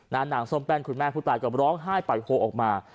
นางส้มแป้นคุณแม่ผู้ตายก็ร้องไห้ปล่อยโฮออกมา